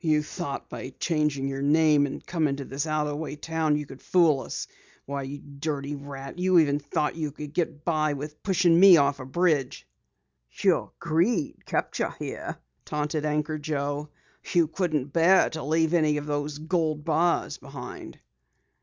You thought by changing your name, and coming to this out of the way town you could fool us. Why, you dirty rat, you even thought you could get by with pushing me off a bridge!" "Your greed kept you here," taunted Anchor Joe. "You couldn't bear to leave any of those gold bars behind."